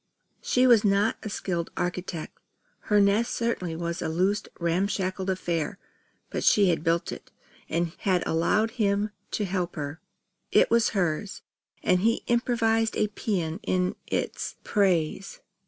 She was not a skilled architect. Her nest certainly was a loose ramshackle affair; but she had built it, and had allowed him to help her. It was hers; and he improvised a paean in its praise.